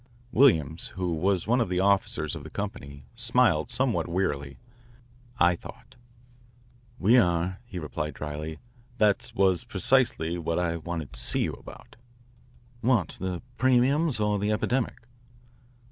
Williams, who was one of the officers of the company, smiled somewhat wearily, I thought. "We are," he replied drily. "That was precisely what I wanted to see you about." "What? The premiums or the epidemic?"